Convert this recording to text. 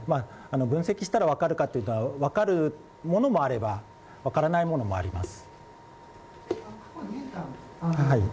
分析したら分かるかといったら、分かるものもあれば分からないものもあります。